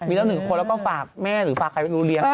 มีแล้ว๑คนแล้วก็ฝากแม่หรือฝากใครไม่รู้เลี้ยง